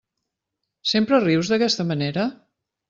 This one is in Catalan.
Sempre rius d'aquesta manera?